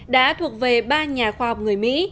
đã thuộc về ba nhà khoa học người mỹ